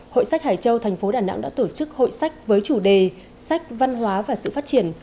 hội sách hải châu thành phố đà nẵng đã tổ chức hội sách với chủ đề sách văn hóa và sự phát triển